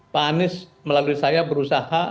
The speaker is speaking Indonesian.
pak anies melalui saya berusaha